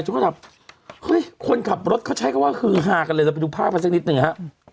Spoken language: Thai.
ทุกคนก็แบบคนขับรถเขาใช้ก็ว่าคือหากันเลยเราไปดูภาพไปสักนิดนึงนะฮะ